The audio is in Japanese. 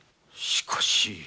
しかし。